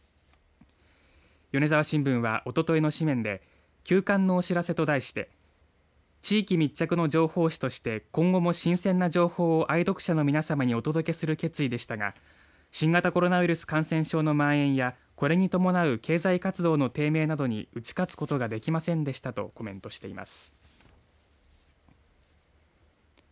米澤新聞は、おとといの紙面で休刊のお知らせと題して地域密着の情報紙として今後も新鮮な情報を愛読者の皆さまにお届けする決意でしたが新型コロナウイルス感染症のまん延やこれに伴う経済活動の低迷などに打ち勝つことができませんでしたとコメントしています。